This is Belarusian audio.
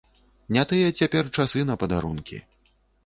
Не тыя цяпер часы на падарункі.